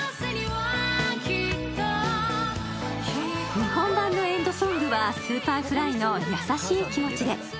日本版のエンドソングはＳｕｐｅｒｆｌｙの「やさしい気持ちで」。